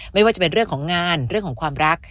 ไม่ว่าจะเป็นเรื่องของงานเรื่องของความรัก